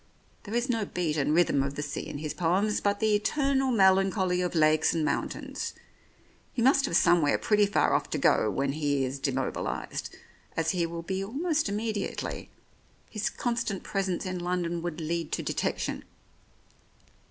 "There is no beat and rhythm of the sea in his poems, but the eternal melancholy of lakes and mountains. He must have somewhere pretty far off to go to when he is demobilized, as he will be almost immediately. His constant presence in London would lead to detection."